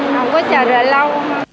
không có chờ lâu